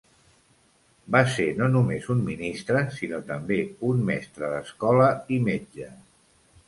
Va ser no només un ministre, sinó també un mestre d'escola, i metge.